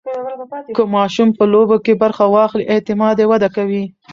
که ماشوم په لوبو کې برخه واخلي، اعتماد یې وده کوي.